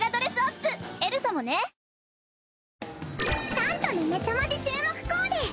タントのめちゃマジ注目コーデ！